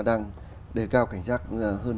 đang đề cao cảnh giác hơn